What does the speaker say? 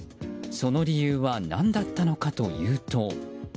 その理由は何だったのかというと。